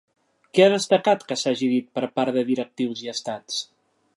Què ha destacat que s'hagi dit per part de directius i estats?